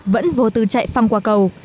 vẫn vô từ chạy phăm qua cầu